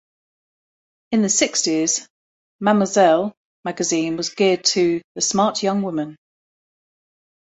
In the sixties, "Mademoiselle" magazine was geared "to the smart young woman".